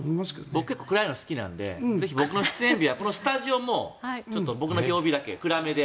僕結構暗いの好きなので僕の出演日はこのスタジオも僕の曜日だけ暗めで。